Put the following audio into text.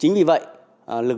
tiết cá nhân